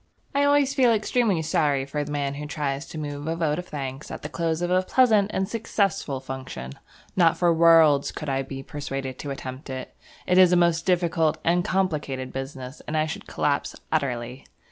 I always feel extremely sorry for the man who tries to move a vote of thanks at the close of a pleasant and successful function. Not for worlds could I be persuaded to attempt it. It is a most difficult and complicated business, and I should collapse utterly.